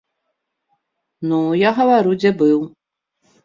Ну, я гавару, дзе быў.